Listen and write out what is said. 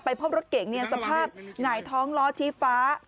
พบรถเก๋งสภาพหงายท้องล้อชี้ฟ้า